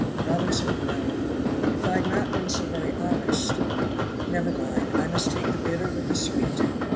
Robinson groaned. "If I had not been so very honest! Never mind. I must take the bitter with the sweet."